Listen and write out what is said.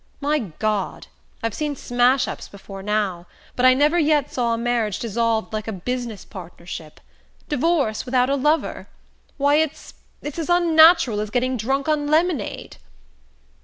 My God! I've seen smash ups before now; but I never yet saw a marriage dissolved like a business partnership. Divorce without a lover? Why, it's it's as unnatural as getting drunk on lemonade."